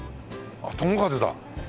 「友和」だ！